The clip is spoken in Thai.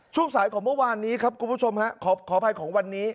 ช่วงสายของเมื่อวานนี้ครับคุณผู้ชมฮะขออภัยของวันนี้